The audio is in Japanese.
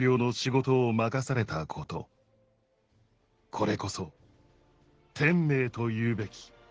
「これこそ天命と言うべき」。